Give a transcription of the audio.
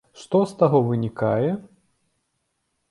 Што з таго вынікае?